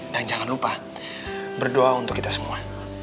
dan jangan lupa berdoa untuk kita semua